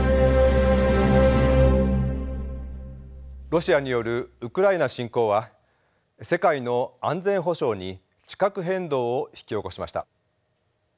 ロシアによるウクライナ侵攻は世界の安全保障に地殻変動を引き起こしました。